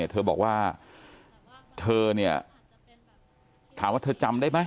เธอบอกว่าเธอเนี่ยถามว่าเธอจำได้ไหม